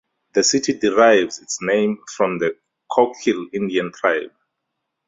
The city derives its name from the Coquille Indian tribe.